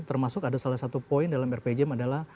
termasuk ada salah satu poin dalam rpjm adalah